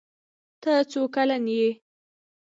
ته څو کلن یې؟